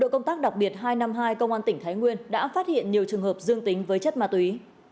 công tác đặc biệt hai trăm năm mươi hai công an tỉnh thái nguyên đã phát hiện nhiều trường hợp dương tính với chất ma túy